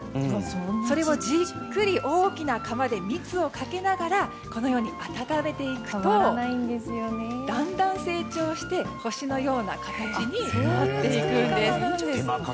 それをじっくり大きな窯で蜜をかけながら温めていくとだんだん成長して星のような形になっていくんです。